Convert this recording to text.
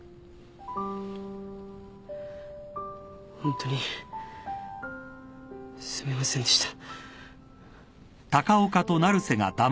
ホントにすみませんでした。